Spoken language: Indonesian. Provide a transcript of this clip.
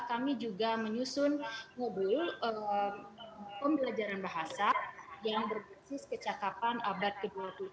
kami juga menyusun modul pembelajaran bahasa yang berbasis kecakapan abad ke dua puluh tujuh